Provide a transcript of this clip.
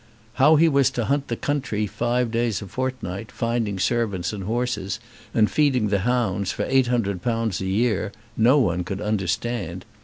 How he was to hunt the country five days a fortnight, finding servants and horses, and feeding the hounds, for eight hundred pounds a year, no one could understand.